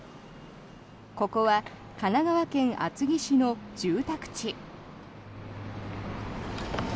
ここは神奈川県厚木市の住宅地。